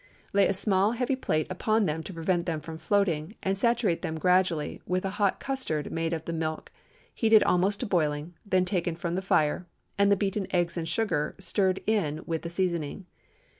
Lay a small, heavy plate upon them to prevent them from floating, and saturate them gradually with a hot custard made of the milk, heated almost to boiling, then taken from the fire, and the beaten eggs and sugar stirred in with the seasoning.